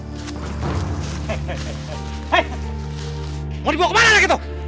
hei mau dibawa kemana anak itu